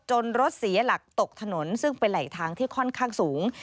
รถเสียหลักตกถนนซึ่งเป็นไหลทางที่ค่อนข้างสูง